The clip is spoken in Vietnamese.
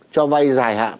cho vay dài hạn